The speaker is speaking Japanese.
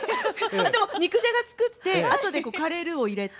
でも肉じゃが作って後でカレールーを入れて。